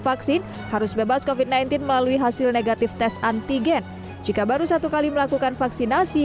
vaksin harus bebas kofit sembilan belas melalui hasil negatif tes antigen jika baru satu kali melakukan vaksinasi